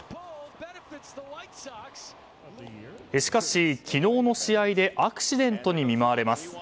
しかし、昨日の試合でアクシデントに見舞われます。